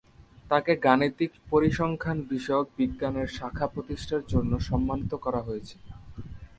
তাকে গাণিতিক পরিসংখ্যান বিষয়ক বিজ্ঞানের শাখা প্রতিষ্ঠার জন্য সম্মানিত করা হয়েছে।